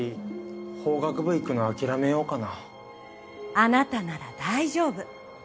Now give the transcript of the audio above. あなたなら大丈夫。